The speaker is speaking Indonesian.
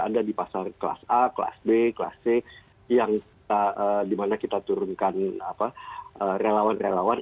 ada di pasar kelas a kelas b kelas c yang dimana kita turunkan relawan relawan